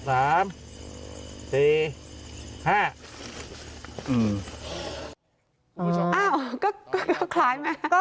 อ้าวก็คล้ายไหม